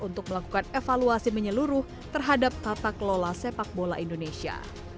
untuk melakukan evaluasi menyeluruh terhadap tata kelola sepak bola indonesia